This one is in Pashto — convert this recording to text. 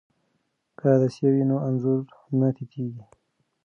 که عدسیه وي نو انځور نه تتېږي.